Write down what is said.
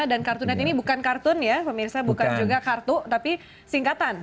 dan kartunet ini bukan kartun ya pemirsa bukan juga kartu tapi singkatan